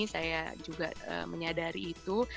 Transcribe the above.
saya juga menyadari itu